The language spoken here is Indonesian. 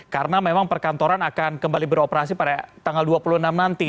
karena memang perkantoran akan kembali beroperasi pada tanggal dua puluh enam nanti